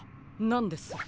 なんです？